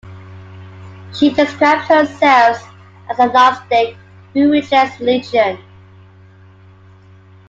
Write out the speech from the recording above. She describes herself as agnostic who rejects religion.